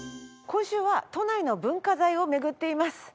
今週は都内の文化財を巡っています。